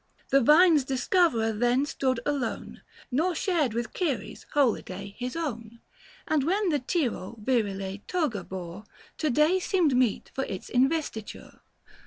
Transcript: The vine's discoverer then stood alone, Nor shared with Ceres, holyday his own. 840 And when the Tiro virile toga bore To day seemed meet for its investiture.